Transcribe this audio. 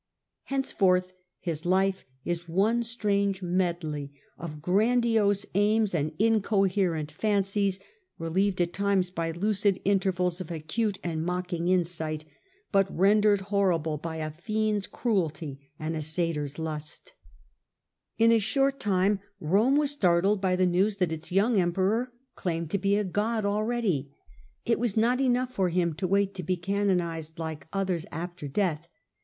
Henceforth his life is one strange medley of grandiose aims and incoherent fancies, relieved at times by lucid intervals of acute and mocking insight, but rendered horrible by a fiend's cruelty and a satyr's lust. In a short time Rome was A.n. 37 41. 74 The Earlier Empire. startled by the news that its young Emperor claimed to be a god already. It was not enough for divine^ him to wait to be canonized like others after honours. death.